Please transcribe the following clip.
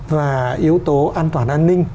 và yếu tố an toàn an ninh